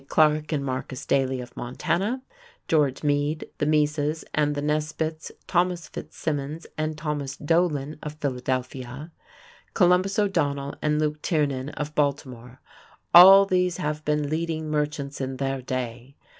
Clark and Marcus Daly of Montana; George Meade, the Meases and the Nesbits, Thomas FitzSimmons and Thomas Dolan of Philadelphia; Columbus O'Donnell and Luke Tiernan of Baltimore, all these have been leading merchants in their day.